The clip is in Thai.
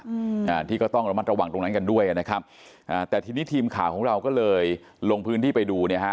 อืมอ่าที่ก็ต้องระมัดระวังตรงนั้นกันด้วยนะครับอ่าแต่ทีนี้ทีมข่าวของเราก็เลยลงพื้นที่ไปดูเนี่ยฮะ